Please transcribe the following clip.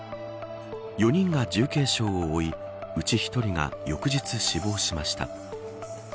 ４人が重軽傷を負いうち１人が翌日、死亡しました。